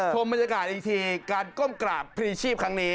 ชมบรรยากาศอีกทีการก้มกราบพรีชีพครั้งนี้